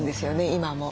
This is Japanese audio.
今も。